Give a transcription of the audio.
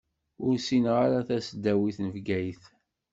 Ur ssineɣ ara tasdawit n Bgayet.